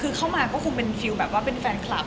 คนเข้ามาก็คงคิดว่าคงคือแฟนคลับ